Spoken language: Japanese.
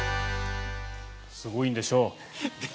すごいんでしょう。